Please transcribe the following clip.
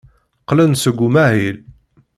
Qqlen-d seg umahil.